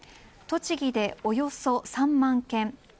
栃木でおよそ３万軒